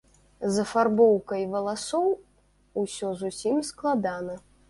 З афарбоўкай валасоў усё зусім складана.